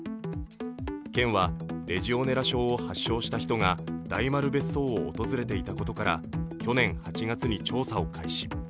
県はレジオネラ症を発症した人が大丸別荘を訪れていたことから去年８月に調査を開始。